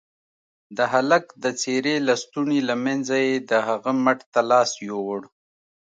د هلك د څيرې لستوڼي له منځه يې د هغه مټ ته لاس يووړ.